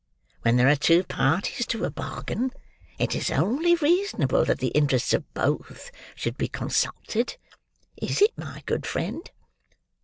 When there are two parties to a bargain, it is only reasonable that the interests of both should be consulted; is it, my good friend?"